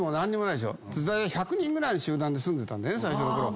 で１００人ぐらいの集団で住んでたのね最初のころ。